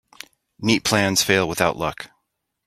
Neat plans fail without luck.